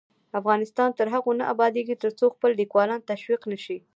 افغانستان تر هغو نه ابادیږي، ترڅو لیکوالان تشویق نشي.